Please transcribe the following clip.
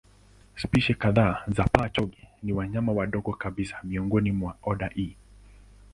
Spishi kadhaa za paa-chonge ni wanyama wadogo kabisa miongoni mwa oda hii.